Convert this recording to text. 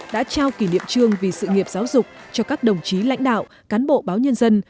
đã trao kỷ niệm trương vì sự nghiệp giáo dục cho các đồng chí lãnh đạo cán bộ báo nhân dân